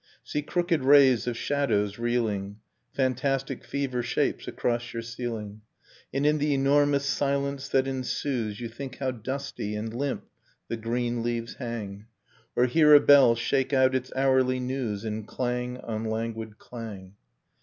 See crooked rays of shadows reeling. Fantastic fever shapes, across your ceiling; And in tlie enormous silence that ensues You think how dusty and limp the green leaves hang, Or hear a bell shake out its hourly news In clang on languid clang.